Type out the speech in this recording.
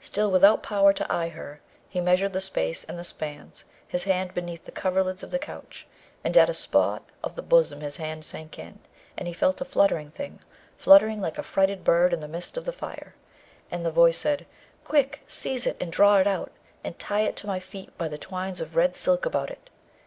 Still without power to eye her, he measured the space and the spans, his hand beneath the coverlids of the couch, and at a spot of the bosom his hand sank in, and he felt a fluttering thing, fluttering like a frighted bird in the midst of the fire. And the voice said, 'Quick, seize it, and draw it out, and tie it to my feet by the twines of red silk about it.'